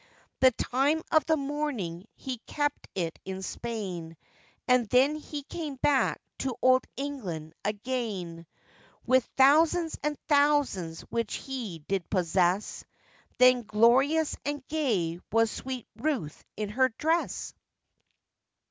The time of the mourning he kept it in Spain, And then he came back to old England again, With thousands, and thousands, which he did possess; Then glorious and gay was sweet Ruth in her dress.